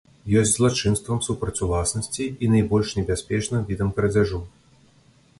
Ёсць злачынствам супраць уласнасці і найбольш небяспечным відам крадзяжу.